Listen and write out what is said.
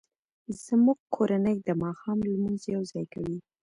زموږ کورنۍ د ماښام لمونځ یوځای کوي